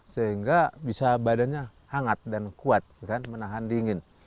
sehingga bisa badannya hangat dan kuat menahan dingin